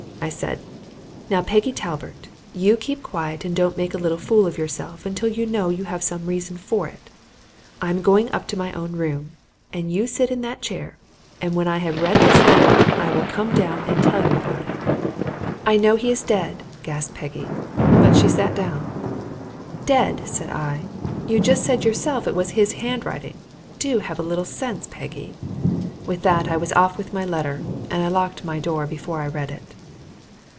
I said: "Now, Peggy Talbert, you keep quiet, and don't make a little fool of yourself until you know you have some reason for it. I am going up to my own room, and you sit in that chair, and when I have read this letter I will come down and tell you about it." "I know he is dead!" gasped Peggy, but she sat down. "Dead!" said I. "You just said yourself it was his handwriting. Do have a little sense, Peggy." With that I was off with my letter, and I locked my door before I read it.